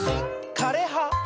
「かれは」！